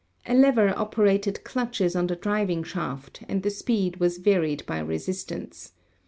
A lever operated clutches on the driving shaft, and the speed was varied by resistance.